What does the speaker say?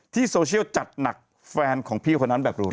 ที่โซเชียลจัดหนักแฟนของพี่คนนั้นแบบหลวน